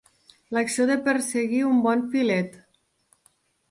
L'acció de perseguir un bon filet.